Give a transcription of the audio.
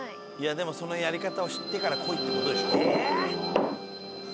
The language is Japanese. でもそのやり方を知ってから来いって事でしょ？